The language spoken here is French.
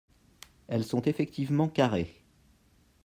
Elles sont effectivement carrées.